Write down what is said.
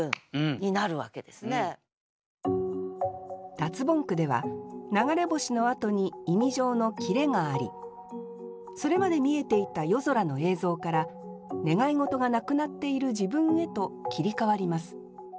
脱ボン句では「流れ星」のあとに意味上の切れがありそれまで見えていた夜空の映像から願い事がなくなっている自分へと切り替わります。